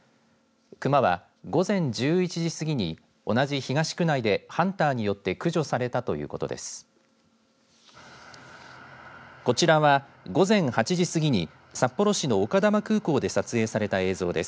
クマは午前１１時過ぎに同じ東区内でハンターによって駆除されたということです。